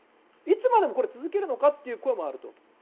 いつまでも続けるのかという声もあると。